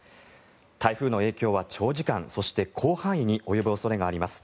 台風の影響は長時間、そして広範囲に及ぶ恐れがあります。